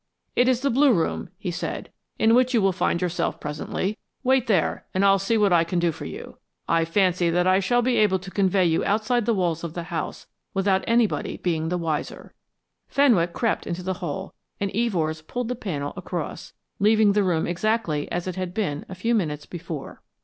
"It is the Blue Room," he said, "in which you will find yourself presently. Wait there and I'll see what I can do for you. I fancy that I shall be able to convey you outside the walls of the house without anybody being the wiser." Fenwick crept through the hole, and Evors pulled the panel across, leaving the room exactly as it had been a few minutes before.